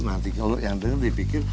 nanti kalau yang denger dipikir